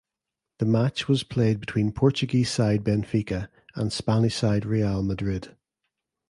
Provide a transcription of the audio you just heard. The match was played between Portuguese side Benfica and Spanish side Real Madrid.